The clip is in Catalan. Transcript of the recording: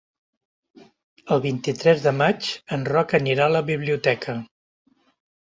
El vint-i-tres de maig en Roc anirà a la biblioteca.